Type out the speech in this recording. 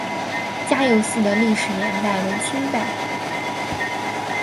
嘉佑寺的历史年代为清代。